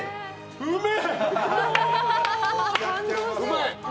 うめえ！